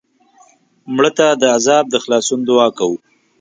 مړه ته د عذاب د خلاصون دعا کوو